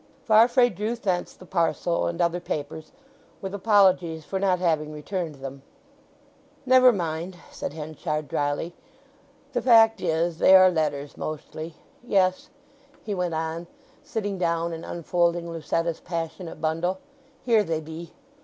Farfrae drew thence the parcel, and other papers, with apologies for not having returned them. "Never mind," said Henchard drily. "The fact is they are letters mostly.... Yes," he went on, sitting down and unfolding Lucetta's passionate bundle, "here they be.